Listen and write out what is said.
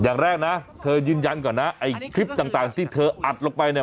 อย่างแรกนะเธอยืนยันก่อนนะไอ้คลิปต่างที่เธออัดลงไปเนี่ย